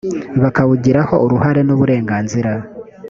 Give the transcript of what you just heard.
bakawugiraho uruhare n uburenganzira